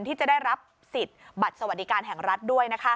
ที่จะได้รับสิทธิ์บัตรสวัสดิการแห่งรัฐด้วยนะคะ